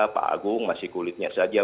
pak agung masih kulitnya saja